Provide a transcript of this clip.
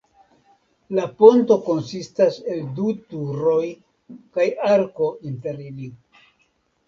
La ponto konsistas en du turoj kaj arko inter ili.